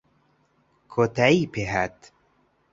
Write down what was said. کۆتایی پێهات